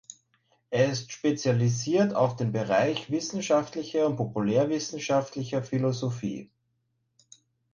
Er ist spezialisiert auf den Bereich wissenschaftliche und populärwissenschaftliche Philosophie.